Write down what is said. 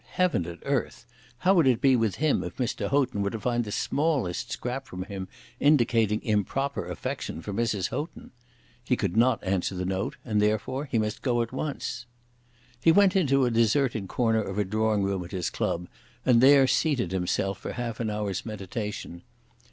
Heaven and earth! How would it be with him if Mr. Houghton were to find the smallest scrap from him indicating improper affection for Mrs. Houghton? He could not answer the note, and therefore he must go at once. He went into a deserted corner of a drawing room at his club, and there seated himself for half an hour's meditation.